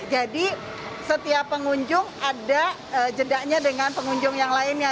jadi setiap pengunjung ada jedaknya dengan pengunjung yang lainnya